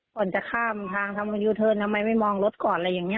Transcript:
ก่อนจะข้ามทางทำยูเทิร์นทำไมไม่มองรถก่อนอะไรอย่างนี้